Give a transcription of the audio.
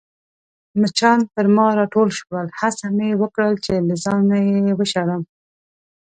مچان پر ما راټول شول، هڅه مې وکړل چي له ځانه يې وشړم.